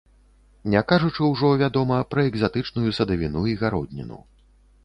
Не кажучы ўжо, вядома, пра экзатычную садавіну і гародніну.